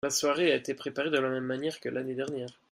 La soirée a été préparée de la même manière que l'année dernière.